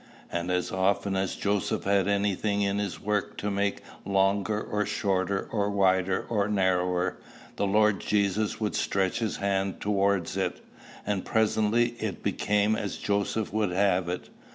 And as often as Joseph had any thing in his work to make longer or shorter, or wider or narrower, the Lord Jesus would stretch his hand towards it. And presently it became as Joseph would have it.